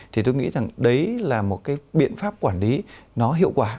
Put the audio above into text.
thì tôi nghĩ rằng đấy là một cái biện pháp quản lý nó hiệu quả